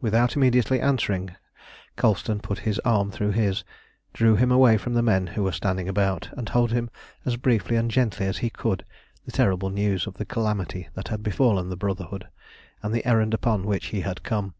Without immediately answering, Colston put his arm through his, drew him away from the men who were standing about, and told him as briefly and gently as he could the terrible news of the calamity that had befallen the Brotherhood, and the errand upon which he had come.